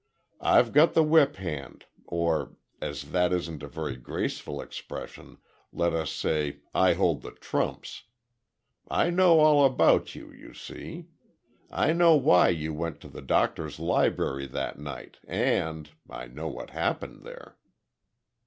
I've got the whip hand—or, as that isn't a very graceful expression, let us say, I hold the trumps. I know all about you, you see. I know why you went to the doctor's library that night, and—I know what happened there."